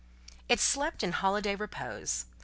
It slept in holiday repose.